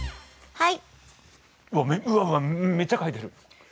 はい。